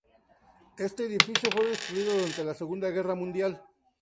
Este edificio fue destruido durante la Segunda Guerra Mundial.